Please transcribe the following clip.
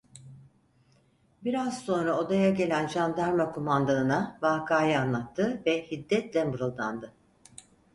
Biraz sonra odaya gelen jandarma kumandanına vakayı anlattı ve hiddetle mırıldandı: